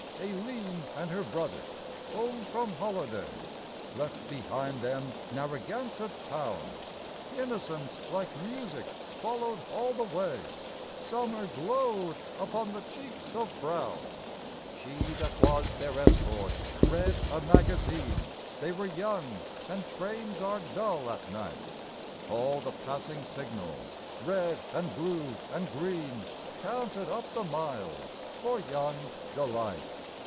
Aileen and her brother, home from holiday, Left behind them Narragansett town; Innocence like music followed all the way, Summer glowed upon the cheeks of brown. She that was their escort read a magazine: They were young, and trains are dull at night; All the passing signals, red and blue and green, Counted up the miles for young delight.